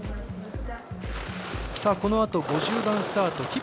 このあと、５０番スタート